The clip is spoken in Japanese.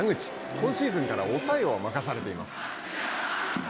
今シーズンから抑えを任されています。